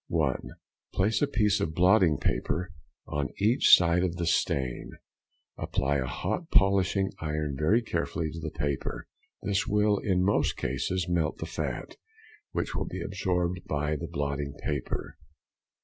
_—(1.) Place a piece of blotting paper on each side of the stain, apply a hot polishing iron very carefully to the paper; this will, in most cases, melt the fat, which will be absorbed by the blotting paper.